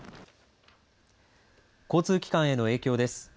交通機関への影響です。